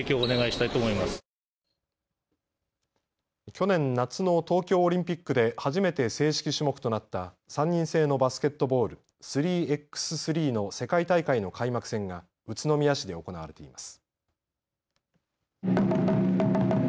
去年夏の東京オリンピックで初めて正式種目となった３人制のバスケットボール、３ｘ３の世界大会の開幕戦が宇都宮市で行われています。